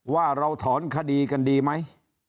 ว่าเราถอนคดีกันดีไหม